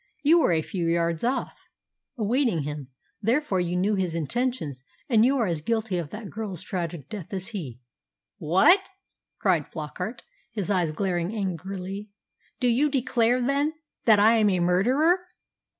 You were a few yards off, awaiting him; therefore you knew his intentions, and you are as guilty of that girl's tragic death as he." "What!" cried Flockart, his eyes glaring angrily, "do you declare, then, that I am a murderer?"